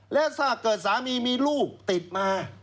และถ้าเกิดสามีมีลูกติดมา